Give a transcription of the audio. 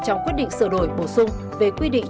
trong quyết định sửa đổi bổ sung về quy định